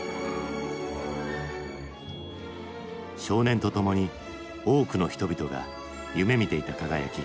少年とともに多くの人々が夢みていた輝き。